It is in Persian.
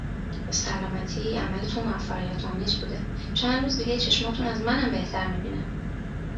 به سلامتی عملتون موفقیتآمیز بوده چند روز دیگه چشماتون از منم بهتر میبینن